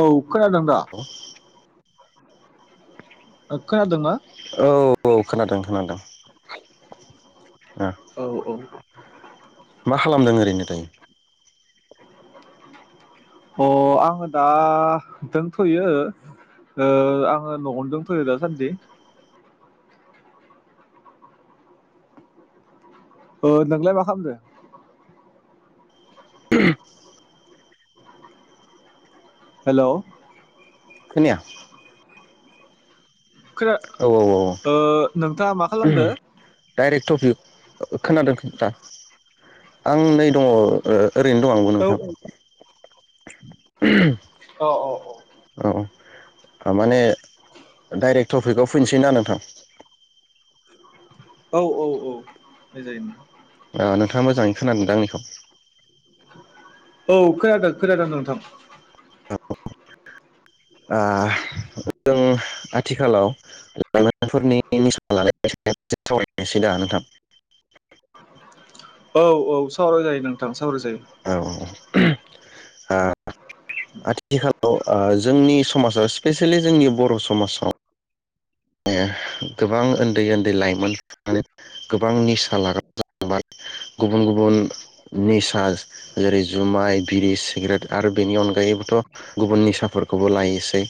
औ खोनादों दा औ आसा खोनादोंना औ खोनादों खोनादों ओ औ औ मा खालामदों ओरैनो दायो अ आङो दा दोंथोयो ओ आङो न आवनो दोंथोयो दासान्दि नोंलाय मा खालामदों [inaudible] हेलौ खोनाया खोना औ औ ओ नोंथाङा मा खालामदो डाइरेक्ट टपिक खोनादों खथा आं नै दङ ओरैनो दं आंबो औ नोंथां औ अ अ औ माने डाइरेक्ट टपिकआव फैनोसै ना नोंथां औ औ औ फैजायो ओ नोंथाङा मोजाङै खोनादोंदा आंनिखौ औ खोनादों खोनादों नोंथां आ जों आथिखालाव लाइमोनफोरनि निसा लानाय सावरायनोसै दा नोंथां औ औ सावराय जायो नोंथां सावराय जायो। औ औ आ आथिखालाव आ जोंनि समाजाव स्पेसियेलि जोंनि बर' समाजाव गोबां ओन्दै ओन्दै लाइमोन गोबां निसा लाग्रा जालांबाय गुबुन गुबुन निसा जेरै जुमाइ बिरि सिगारेट आरो बेनि अनगायै बोथ' गुबुन निसाफोरखौबो लायसै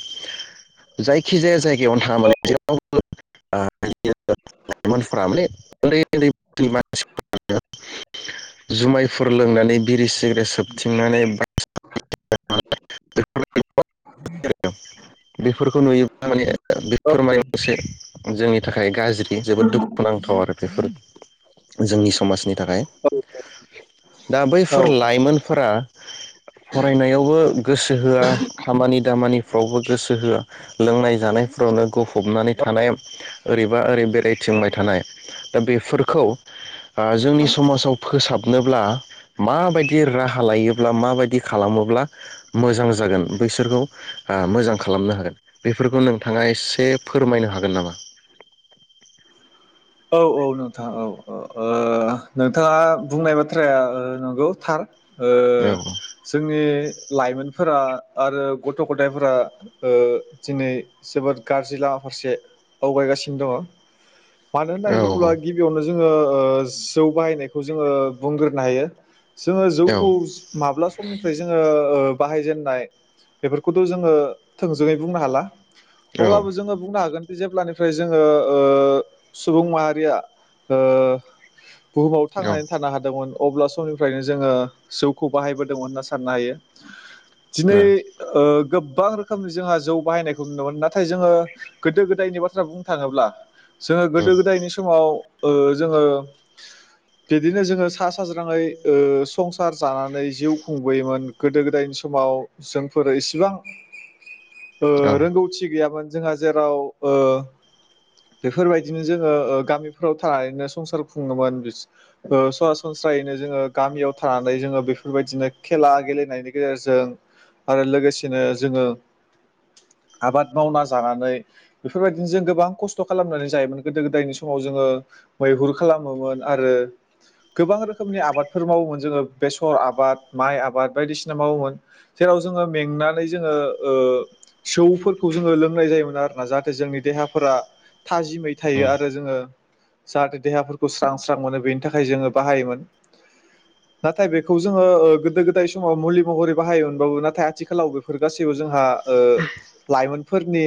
जायखि जाया जायगायावनो थाङा मानोे जेरावबो [unintelligible] लाइमोनफोरा माने उन्दै उन्दै मानसि जुमायफोर लोंनानै बिरि सिग्रेट सोबथिंनानै बा [inaudible] बेफोर खौ नुयो माने बेफोर माने मोनसे जोंनि थाखाय गाज्रि जोबोद दुखुुनांथाव आरो बेफोर जोंनि समाजनि थाखाय दा औ बैफोर औ लाइमोनफोरा फरायनायावबो गोसो होआ खामानि दामानिफ्रावबो गोसो होआ लोंनाय जानायफोरावनो गफ फबनानै थानाय एरै बा ओरै बेरायथिंबाय थानाय दा बेफोरखौ ओ जोंनि समाजाव फोसाबनोब्ला माबायदि राहा लायोब्ला माबायदि खालामोब्ला मोजां जागोन बैसोरखौ ओ मोजां खालामनो हागोन बेफोरखौ नोंथाङा एसे फोरमायनो हागोन नामा औ औ नोंथाङा औ ओ नोंथाङा बुंनाय बाथ्राया नंगौ थार ओ औ जोंनि लाइमोनफोरा आरो गथ' गथायफोरा ओ दिनै जोबोद गाज्रि लामा फारसे आवगायगासिनो दङ मानो औ होननानै बुङोब्ला गिबियावनो जों ओ ओ जौ बाहायनायखौ जोङो बुंग्रोनो हायो जोङो औ जौखौ माब्ला समनिफ्राय जोङो ओ बाहायजेननाय बेफोरखौथ' जोङो थोंजोङै बुंनो हाला अब्लाबो जोङो बुंनो हागोन जेब्लानिफ्राय जोङो ओ सुबुं माहारिया ओ बुहुमाव औ थांनानै थानो हादोंमोन अब्ला समनिफ्रायनो जोङो जौखौ बाहायबोदोंमोन होनना सान साननो हायो औ दिनै गोब गोबां रोखोमनि जोंहा जौ बाहायनायखौ नुनो मोनो नाथाय जोङो गोदो गोदायनि बाथ्रा बुंनो थाङोब्ला जोङो गोदो गोदायनि समाव ओ जोङो बिदिनो जोङो सा साज्राङै ओ संसार जानानै जिउ खुंबोयोमोन गोदो गोदायनि समाव जोंफोर इसिबां ओ औ रोंगौथि गैयामोन जोंहा जेराव ओ बेफोर बेफोरबायदिनो जोङो ओ गामिफोराव थानानैनो संसार खुङोमोन ओ सरासनस्रायैनो जोङो गामियाव थानानै जोङो बेफोरबायदिनो खेला गेलेनायनि गेजेरजों आरो लोगोसेनो जोङो आबाद मावना जानानै बेफोर बायदिनो जों गोबां खस्थ' खालामनानै जायो मोन गोदो गोदायनि समाव जोङो मैहुर खालामोमोन आरो गोबां रोखोमनि आबादफोर मावोमोन जोङो बेसर आबाद माइ आबाद बायदिसिना मावोमोन जेराव जोङो मेंनानै जोङो ओ जौफोरखौ जोङो लोंनाय जायोमोन आरोना जाहाथे जोंनि देहाफोरा थाजिमै थायो आरो जोङो जाहाथे देहाफोरखौ स्रां स्रां मोनो बेनि थाखाय जोङो बाहायोमोन नाथाय बेखौ जोङो ओ गोदो गोदाय समाव मुलि महरै बाहायोमोनबाबो नाथाय आथिखालाव बेफोर गासैबो जोंहा ओ लाइमोनफोरनि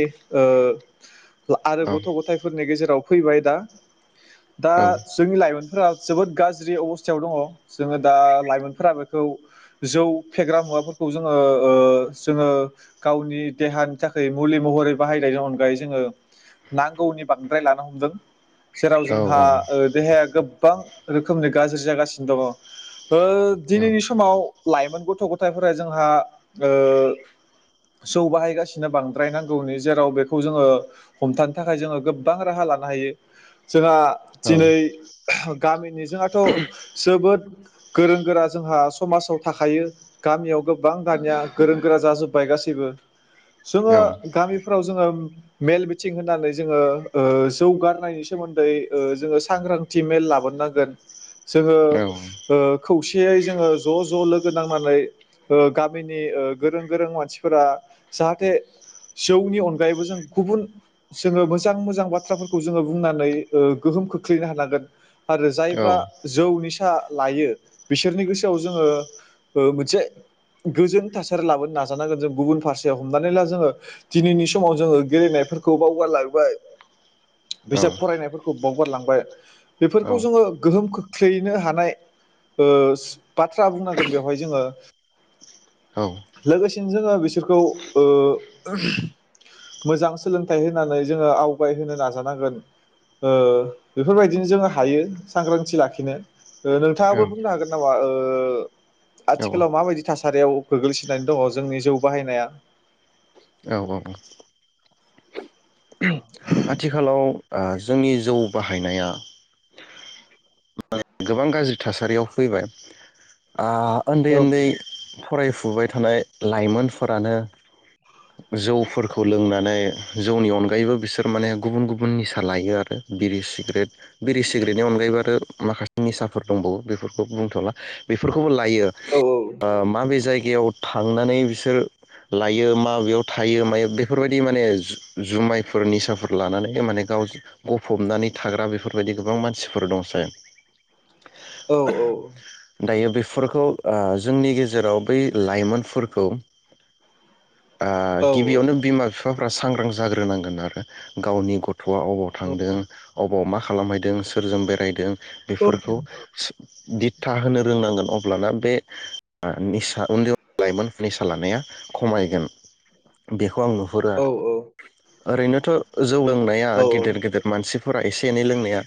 आरो ओ औ गथ' गथायफोरनि गेजेराव फैबाय दा दा जोंनि लाइमोन फोर जोबोद गाज्रि अबस्थायाव दङ जोङो दा लाइमोनफोरा बेखौ जौ फेग्रा मुवाफोरखौ जोङो ओ जोङो ओ गावनि देहानि थाखाय मुलि महरै बाहायनायनि अनगायै जोङो नांगौनि बांद्राय लानो हमदों जेराव औ जोंहा देहाया ओ गो गोबां रोखोमनि गाज्रि जागासिनो दङ ओ दिनैनि समाव लाइमोन गथ' गथायफोरा जोंहा ओ जौ बाहायगासिनो बांद्राय नांगौनि जेराव बेखौ जोङो हमथानो थाखाय जोङो गोबां राहा लानो हायो जोंहा दिनै गामिनि जोंहाथ' जोबोद गोरों गोरा जोंहा समाजाव थाखायो गामियाव गोबां दानिया गोरों गोरा जाजोब्बाय गासैबो औ जोङो गामिफ्राव जोङो मेल मिथिं होननानै जोङो ओ जौ गारनायनि सोमोन्दै जोङो सांग्रांथि मेल लाबोनोनांगोन जोङो औ खौसेयै ओ जोङो ज' ज' लोगो नांनानै गामिनि गोरों गोरों मानसिफोरा जाहाथे जौनि अनगायैबो जों गुबुन जोङो मोजां मोजां बाथ्राफोरखौ जोङो बुंनानै ओ गोहोम खोख्लैनो हानांगोन आरो औ जायफ्रा जौ निसा लायो बिसोरनि गोसोआव जोङो मोनसे गोजोन थासारि लाबोनो नाजानांगोन जों गुबुन फारसेायाव हमनानै ला जोङो दिनैनि समाव जोङो गेलेनायफोरखौ खौ बावगारलांबाय औ बिजाब फरायनाय बावगारलांबाय औ बेफोरखौ जोङो गोहोम खोख्लैनो हानाय ओ बाथ्रा बुंनांगोन बेवहाय जों लोगोसेनो जोङो बिसोरखौ ओ मोजां सोलोंथाइ होनानै जोङो आवगाय होनोनो नाजानांगोन ओ बेफोरबायदिनो जोङो हायो सांग्रांथि लाखिनो ओ औ नोंथाङाबो बुंनो हागोन नामा ओ औ आथिखालाव माबायदि थासारियाव गोग्लैसनोनानै दङ जोंनि जौ बाहायनाया औ आथिखालाव ओ जोंनि जौ बाहायनाया गोबां गाज्रि थासारियाव फैबाय ओ उन्दै औ उन्दै फराय फुबाय थानाय लाइमोनफोरानो जौफोरखौ लोंनानै जौनि अनगायैबो बिसोर माने गुबुन गुबुन निसा लायो आरो बिरि सिग्रेट बिरि सिग्रेटनि अनगायैबो आरो माखासे निसाफोर दंबावो बेफोरखौ बुंथ'ला बेफोरखौबो ला रो औ ओ माबे जायगा बेयाव थांनानै बिसोर लायो माबेयाव थायो म बेफोरबायदि माने जुमायफोर निसाफोर लानानै माने गाव गफबनानै थाग्रा बेफोरबायदि गोबां मानसिफोर दंसाय औ औ फोरखौ ओ जोंनि गेजेराव बै लाइमोनफोरखौ ओ औ गिबियावनो बिमा बिफा बिफाफ्रा सांग्रां जाग्रोनांगोन आरो गावनि गथ' थ'आ अबाव थांदों अबाव मा खालामहैदों सोरजों बेरायदों बेफोरखौ स दिथा होनो रोंनांगोन अ ब्लाना बे आ निसा उन्दै उन्दै लाइमोन [inaudible] सा लानाया खमायगोन बेखौ आं नुहुरो आरो ओरैनोथ' [unintelligible] जौ लोंनाया गेदेर गेदेर मानसिफ फोरा एसे एनै लोंनाया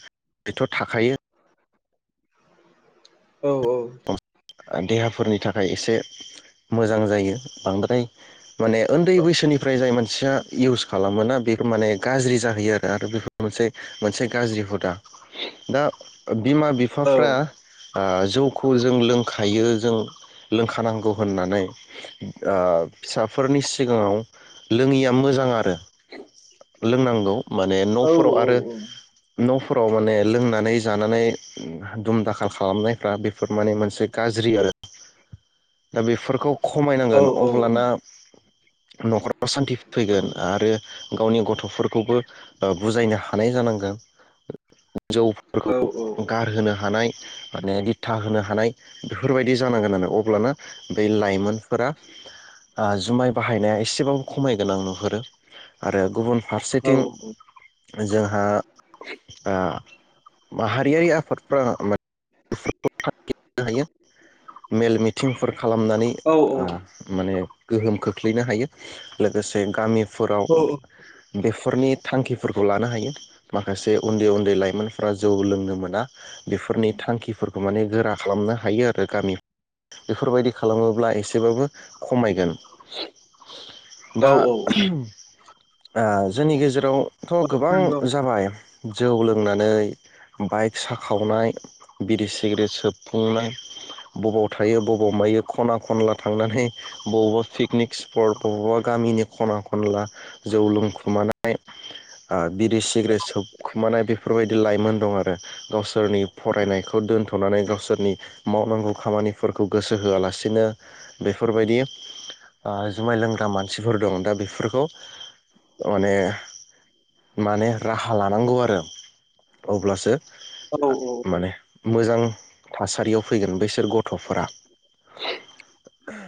बेथ' थाखायो औ औ आ देहाफोरनि थाखाय एसे मोजां जायो बांद्राय माने उन्दै बैसोनिफ्राय जाय मान सिया इउस खालामो ना बेफोर माने गाज्रि जाहैयो आरो आरो बेफोर मोनसे मोनसे गाज्रि हुदा दा बिमा बिफाफ्रा आ जौ खौ जों लोंखायो जों लोंखानांगौ होननानै ओ फिसाफोरनि सिगाङाव लोङि याम मोजां आरो। लोंनांगौ माने न'फोराव आरो न'फोराव माने लोंनानै जानानै दुम दाखाल खालामनायफ्रा बे फोर माने मोनसे गाज्रि आरो दा बेफोरखौ खमायनांगोन अब्लाना न'खर असान्थि फैगोन आरो गावनि गथ'फोरखौबो ओ बुजायनो हानाय जानांगोन। जौफोरखौ गारहोनो हानाय माने दि थाहोनो हानाय बेफोरबायदि जानांगोन आनो अब्लानो बे लाइमोनफोरा आ जुमाय बाहायनाया एसेबाबो खमाय गोनां नुहुरो आरो गुबुन फारसेथिं जोंहा आ माहारियारि आफादफ्रा मा [inaudible] [unintelligible] हायो मेल मिटिंफोर खालामनानै आ माने गोहोम खोख्लैनो हायो लोगोसे गामि फोराव बेफोरनि थांखिफोरखौ लानो हायो माखासे उन्दै उन्दै लाइमोनफ्रा जौ लोंनो मोना बेफोरनि थांखिफोर खौ माने गोरा खालामनो हायो आरो गामि बेफोरबायदि खालामोब्ला एसेबाबो खमायगोन औ दा औ आ जोंनि गेजेराव थ' गोबां नंगौ जाबाय जौ लोंनानै बाइक साखावनाय बिरि सि सिग्रेद सोबफुंनाय बबाव थायो बबाव मायो खना खनला थांनानै बबावबा पिकनिक स्पट बबावबा गामिनि खना खनला जौ लोंखुमानाय आ बिरि सिग्रे सोबखुमानाय बेफोरबायदि लाइमोन दं आरो गावसोरनि फरायनायखौ दोनथ' गावसोरनि मावनांगौ खामानिफोरखौ गोसो होआलासिनो बेफोरबायदि आ जुमाय लोंग्रा मानसिफोर दं दा बे बेफोरखौ माने माने राहा लानांगौ आरो अब्लासो माने मोजां थासारियाव फैगोन बैसोर गथ'फोरा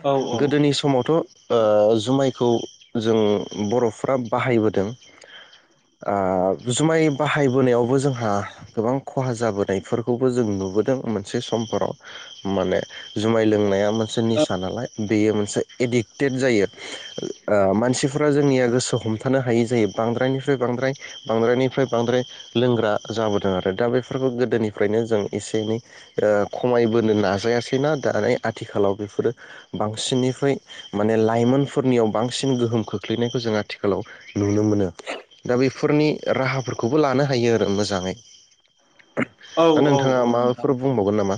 औ गोदोनि समावथ' ओ जुमायखौ जों बर'फ्रा बाहायबोदों ओ जुमाय बाहायबोनायावबो जोंहा गोबां खहा जाबोनायफोरखौबो जों नुबोदों [unintelligible] मोनसे समफोराव माने जुमाय लोंनाया मोनसे निसा नालाय बेयो मोनसे एडिक्टेड जायो ओ मानसिफोरा जोंनिया गोसो हमथानो हायै जायो बांद्रायनिफ्राय बांद्राय बांद्रायनिफ्राय बांद्राय लोंग्रा जाबोदों आरो दा बेफोरखौ गोदोनिफ्रायनो जों एसे एनै ओ खमायबोनो नाजायासैना दानाय आथिखालाव बेफोरो बांसिननिफ्राय माने लाइमोनफोरनियाव बांसिन गोहोम खोख्लैनायखौ जों आथिखालाव नुनो मोनो दा बेफोरनि राहाफोरखौबो लानो हायो आरो मोजाङै औ दा नोंथाङा औ मा नोंथां बुंबावगोन नामा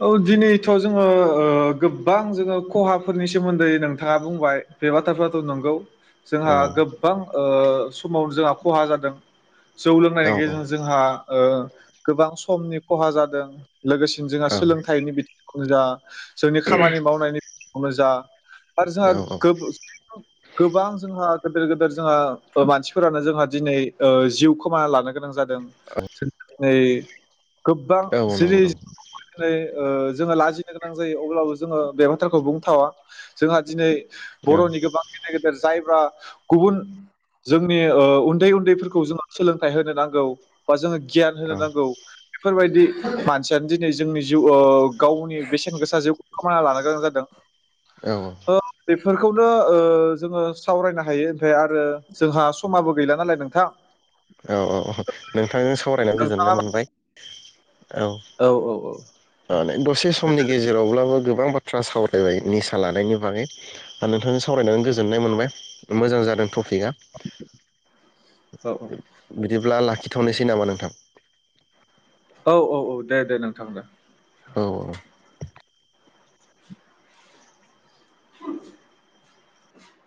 औ दिनैथ' जोङो ओ गोबबां जोङो खहाफोरनि सोमोन्दै नोंथाङा बुंबाय बे बाथ्रा फ्राथ' नंगौ जोंहा औ गोबबां ओ समावनो जोंहा खहा जादों जौ लोंनायनि औ गेजेरजों जोंहा ओ गोबां समनि खहा जादों लोगोसेनो औ सोलोंथाइनि बिथिंखौनो जा जोंनि खामानि मावनायनि आवनो जा आरो जोंहा औ औ गोबां जोंहा गोदोर गोदोर जोंहा मानसिफोरानो जोंहा दिनै ओ जिउ खोमाना लानो गोनां जादों दों [unintelligible] नै गोबबां औ नंगौ सिरि नंगौ ओ जोङो लाजिनो गोनां जायो अब्लाबो जोङो बे बाथ्राखौ बुंथावा जोंहा दिनै औ बर'नि गोबां गेदेर गेदेर जायबा गुबुन जोंनि ओ उन्दै उन्दैफोरखौ जोङो सोलोंथाइ होनो नांगौ बा जोङो गियान होनो औ नांगौ बेफोरबायदि मानसियानो दिनै जोंनि जिउ ओ गावनि बेसेन गोसा जिउखौ खोमाना लानो गोनां जादों औ औ ओ बेफोरखौनो ओ जोङो सावरायनो हायो ओमफ्राय आरो जोंहा समाबो गैला नालाय नोंथां औ औ औ नोंथांजों सावरायनानै गोजोननाय नोंथाङा मोनबाय औ माने दसे समनि गेजेरावब्लाबो गोबां बाथ्रा सावरायबाय निसा लानायनि बागै आरो नोंथांजों सावरायनानै गोजोननाय मोनबाय मोजां जादों थ टफिक आ बिदिब्ला लाखिथ'नोसै नामा नोंथां औ औ औ दे दे नोंथां दे औ औ [inaudible]